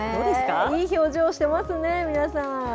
いい表情してますね、皆さん。